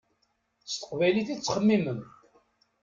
S teqbaylit i tettxemmimem.